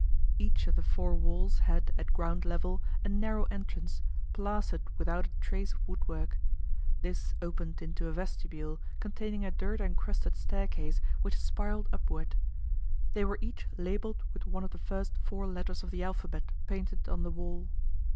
Each of the four walls had, at ground level, a narrow entrance, plastered without a trace of woodwork. This opened into a vestibule containing a dirt encrusted staircase which spiraled upward. They were each labeled with one of the first four letters of the alphabet painted on the wall.